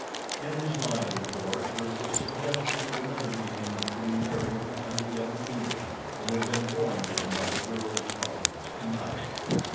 In his mind, of course, was the suggestion of another meeting between Meriem and the young Englishman that had been borne to him by the girl's parting: "Tonight!"